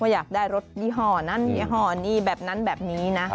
อยากได้รถยี่ห้อนั้นยี่ห้อนี้แบบนั้นแบบนี้นะ